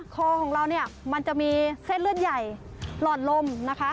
คอของเราเนี่ยมันจะมีเส้นเลือดใหญ่หลอดลมนะคะ